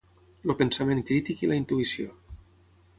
el pensament crític i la intuïció